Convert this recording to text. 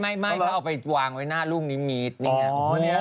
ไม่เขาเอาไปวางไว้หน้าลูกนิมิตนี่ไง